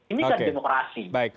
ini kan demokrasi